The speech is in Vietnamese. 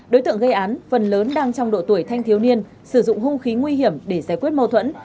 đối tượng gây án phần lớn đang trong độ tuổi thanh thiếu niên sử dụng hung khí nguy hiểm để giải quyết mâu thuẫn